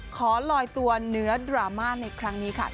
ขอลอยตัวเนื้อดราม่าในครั้งนี้ค่ะ